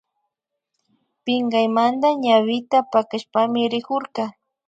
Pinkaymanta ñawita pakashpami rikurka